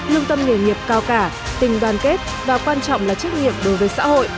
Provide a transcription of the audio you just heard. lương tâm nghề nghiệp cao cả tình đoàn kết và quan trọng là trách nhiệm đối với xã hội